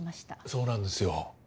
そうなんですよ。